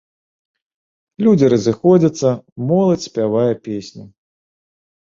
Людзі разыходзяцца, моладзь спявае песні.